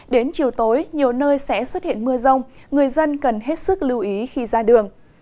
đến chiều tối nhiều nơi sẽ xuất hiện mưa rông người dân cần hết sức lưu ý khi ra đường